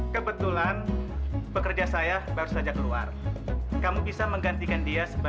kebetulan pekerja saya baru saja keluar kamu bisa mengganti kontrak saya ke atas